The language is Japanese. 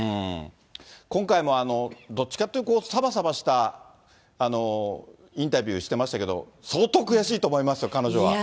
今回もどっちかっていうと、さばさばしたインタビューしてましたけど、相当悔しいと思いますよ、彼女は。